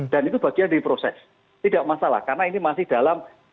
dan itu bagian dari proses tidak masalah karena ini masih dalam